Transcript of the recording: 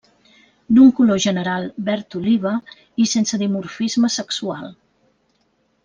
D'un color general verd oliva i sense dimorfisme sexual.